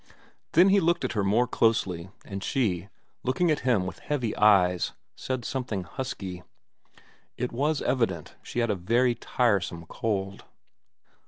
Then he looked at her more closely, and she, looking at him with heavy eyes, said something husky. It was evident she had a very tiresome cold.